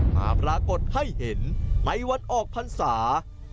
ปรากฏให้เห็นในวันออกพรรษา